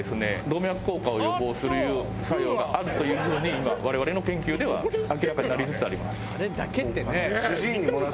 動脈硬化を予防する作用があるという風に今我々の研究では明らかになりつつあります。